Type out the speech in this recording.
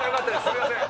すみません